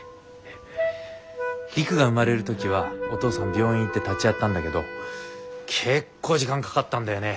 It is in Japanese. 璃久が産まれる時はお父さん病院行って立ち会ったんだけど結構時間かかったんだよね。